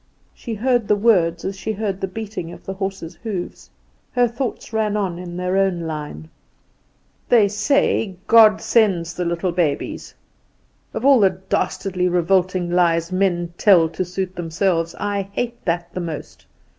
She heard the words as she heard the beating of the horses' hoofs; her thoughts ran on in their own line. "They say, 'God sends the little babies.' Of all the dastardly revolting lies men tell to suit themselves, I hate that most.